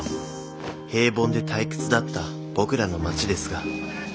平凡で退屈だった僕らの町ですが。